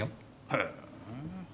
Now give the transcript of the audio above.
へえ。